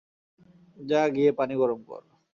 যা, গিয়ে পানি গরম কর।